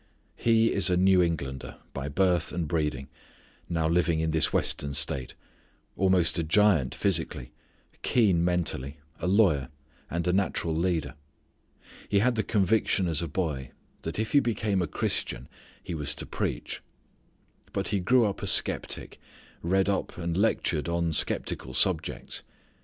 He is a New Englander, by birth and breeding, now living in this western state: almost a giant physically, keen mentally, a lawyer, and a natural leader. He had the conviction as a boy that if he became a Christian he was to preach. But he grew up a skeptic, read up and lectured on skeptical subjects.